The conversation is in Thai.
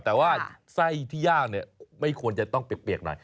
แต่ว่าไส้ที่ย่างเนี่ยไม่ควรจะต้องเปียกหน่อย